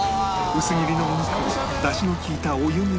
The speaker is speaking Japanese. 薄切りのお肉を出汁の利いたお湯にくぐらせ